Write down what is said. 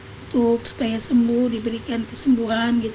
untuk supaya sembuh diberikan kesembuhan